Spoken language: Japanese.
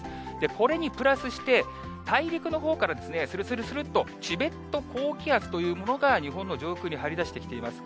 これにプラスして、大陸のほうからするするするっとチベット高気圧というものが日本の上空に張り出してきています。